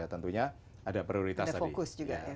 tentunya ada prioritas tadi